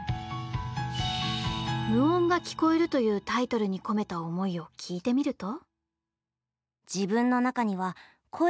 「無音が聴こえる」というタイトルに込めた思いを聞いてみると。